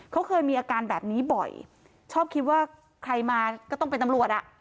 เขาเคยมีอาการแบบนี้บ่อยชอบคิดว่าใครมาก็ต้องเป็นตำรวจอ่ะ